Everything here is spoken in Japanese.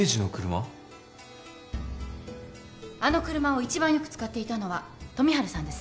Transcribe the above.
あの車を一番よく使っていたのは富治さんですね。